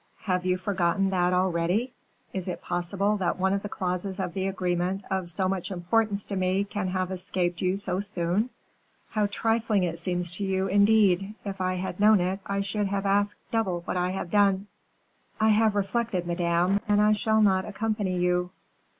"Have you forgotten that already? Is it possible that one of the clauses of the agreement of so much importance to me, can have escaped you so soon? How trifling it seems to you, indeed; if I had known it I should have asked double what I have done." "I have reflected, madame, and I shall not accompany you."